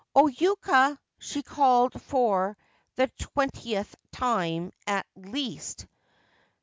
* O Yuka !' she called for the twentieth time at least.